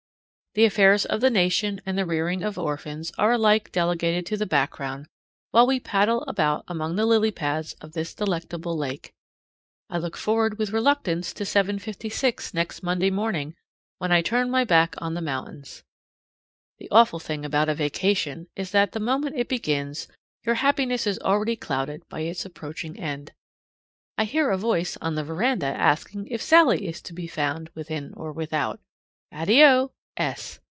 The affairs of the nation and the rearing of orphans are alike delegated to the background while we paddle about among the lily pads of this delectable lake. I look forward with reluctance to 7:56 next Monday morning, when I turn my back on the mountains. The awful thing about a vacation is that the moment it begins your happiness is already clouded by its approaching end. I hear a voice on the veranda asking if Sallie is to be found within or without. ADDIO!